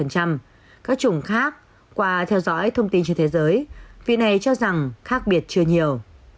các chủng khác qua theo dõi thông tin trên thế giới vì này cho rằng khác biệt chưa nhiều